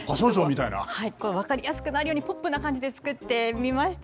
分かりやすくなるように、ポップな感じで作ってみました。